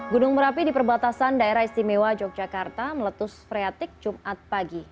gunung merapi di perbatasan daerah istimewa yogyakarta meletus freatik jumat pagi